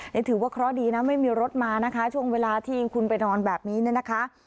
นี่ถือว่าเคราะห์ดีนะไม่มีรถมานะคะช่วงเวลาที่คุณไปนอนแบบนี้เนี่ยนะคะ